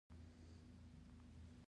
فن: د عربي ژبي ټکی دﺉ.